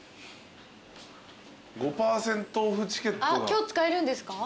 今日使えるんですか？